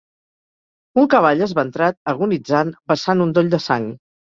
Un cavall esventrat, agonitzant, vessant un doll de sang.